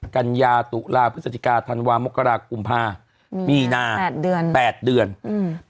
กัญญาตุลาพฤศจิกาธันวามกรากุมภามีนาแปดเดือนแปดเดือนอืม